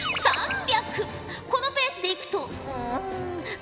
このペースでいくとうん。